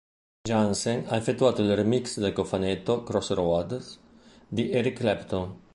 Jansen ha effettuato il remix del cofanetto "Crossroads" di Eric Clapton.